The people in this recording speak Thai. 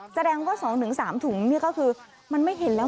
แสดงว่า๒๓ถุงนี่ก็คือมันไม่เห็นแล้ว